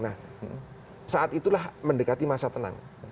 nah saat itulah mendekati masa tenang